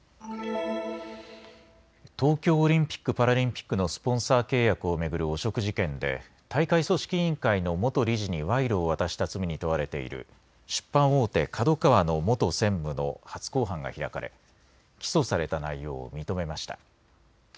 東京オリンピック・パラリンピックのスポンサー契約を巡る汚職事件で大会組織委員会の元理事に賄賂を渡した罪に問われている出版大手ＫＡＤＯＫＡＷＡの元専務の初公判が開かれ起訴された内容を認めました。